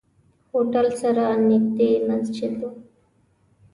هوټل سره نزدې مسجد وو.